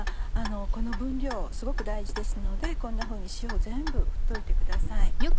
この分量すごく大事ですのでこんなふうに塩を全部振っといてください。